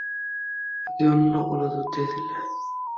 নাকি অন্য কোনো যুদ্ধে ছিলে?